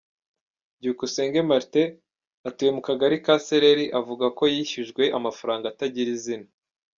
Byukusenge Martin, atuye mu Kagari ka Sereri, avuga ko yishyujwe amafaranga atagira izina.